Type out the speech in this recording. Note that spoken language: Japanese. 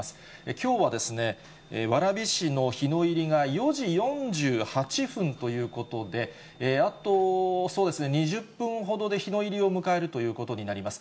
きょうは蕨市の日の入りが４時４８分ということで、あとそうですね、２０分ほどで日の入りを迎えるということになります。